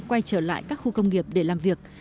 quay trở lại các khu công nghiệp để làm việc